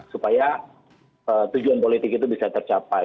supaya tujuan politik itu bisa tercapai